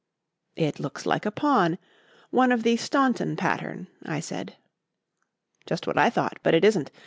"It looks like a pawn one of the Staunton pattern," I said. "Just what I thought; but it isn't.